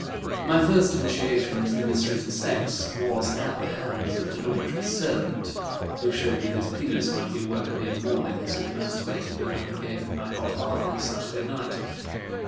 "My first initiation into the mysteries of sex was at the hands of the dormitory servant, who showed me his penis when he woke me in the mornings, and masturbated me when he gave me my hot bath on a Saturday night.